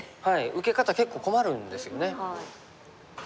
受け方結構困るんですよね。